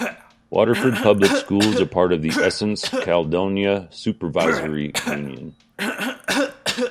Waterford Public Schools are part of the Essex-Caledonia Supervisory Union.